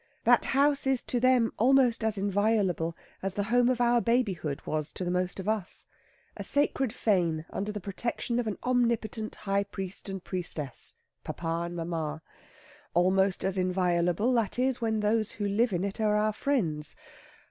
That house is to them almost as inviolable as the home of our babyhood was to the most of us, a sacred fane under the protection of an omnipotent high priest and priestess papa and mamma. Almost as inviolable, that is, when those who live in it are our friends.